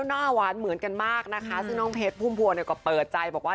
หน้าหวานเหมือนกันมากนะคะซึ่งน้องเพชรพุ่มพวงเนี่ยก็เปิดใจบอกว่า